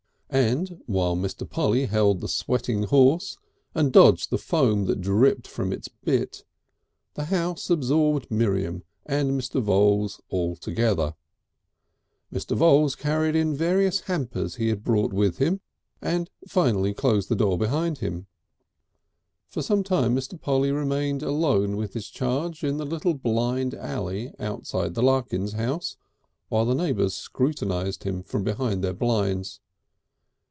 And while Mr. Polly held the sweating horse and dodged the foam that dripped from its bit, the house absorbed Miriam and Mr. Voules altogether. Mr. Voules carried in the various hampers he had brought with him, and finally closed the door behind him. For some time Mr. Polly remained alone with his charge in the little blind alley outside the Larkins' house, while the neighbours scrutinised him from behind their blinds.